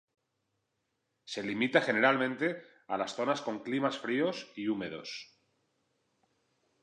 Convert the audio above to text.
Se limita generalmente a las zonas con climas fríos y húmedos.